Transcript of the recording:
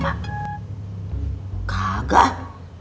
masuk kamar gak ma